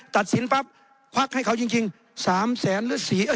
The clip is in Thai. ตัดสินปั๊บควักให้เขาจริงจริงสามแสนหรือสี่เอ่อ